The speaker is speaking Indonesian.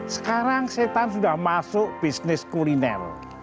sekarang setan sudah masuk bisnis kuliner